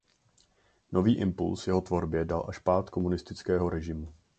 Nový impuls jeho tvorbě dal až pád komunistického režimu.